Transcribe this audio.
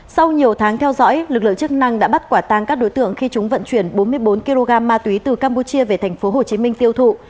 sau nhiều tháng theo dõi lực lượng chức năng đã bắt quả tang các đối tượng khi chúng vận chuyển bốn mươi bốn kg ma túy từ campuchia về tp hcm tiêu thụ